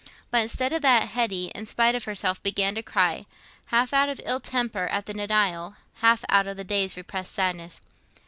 But instead of that, Hetty, in spite of herself, began to cry, half out of ill temper at the denial, half out of the day's repressed sadness.